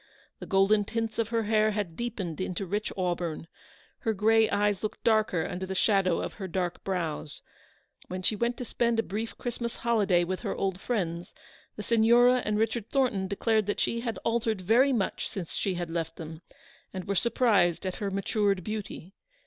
The golden tints of her hair had deepened into rich auburn, her grey eyes looked darker under the shadow of her dark brows. When she went to spend a brief Christmas holiday with her THE PRODIGAL'S RETURN. 279 old friends, the Signora and Richard Thornton declared that she had altered very much since she had left them, and were surprised at her matured beauty.